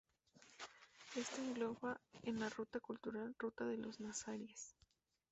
Está englobada en la ruta cultural "Ruta de los Nazaríes".